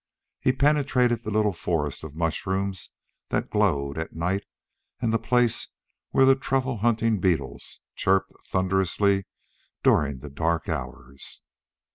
He penetrated the little forest of mushrooms that glowed at night and the place where the truffle hunting beetles chirped thunderously during the dark hours.